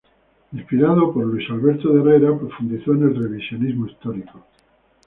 Inspirado por Luis Alberto de Herrera, profundizó en el revisionismo histórico.